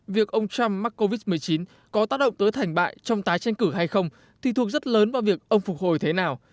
việc ông trump mắc covid một mươi chín có tác động tới thành bại trong tái tranh cử hay không thì thuộc rất lớn vào việc ông phục hồi thế nào